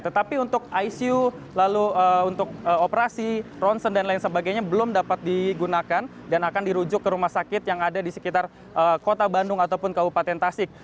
tetapi untuk icu lalu untuk operasi ronsen dan lain sebagainya belum dapat digunakan dan akan dirujuk ke rumah sakit yang ada di sekitar kota bandung ataupun kabupaten tasik